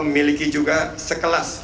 memiliki juga sekelas